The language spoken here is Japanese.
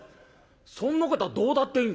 「そんなことはどうだっていいんだよ。